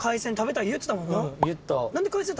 言った。